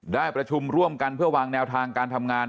ได้ประชุมร่วมกันเพื่อวางแนวทางการทำงาน